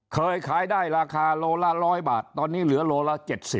เคยขายได้ราคาโลละ๑๐๐บาทตอนนี้เหลือโลละ๗๐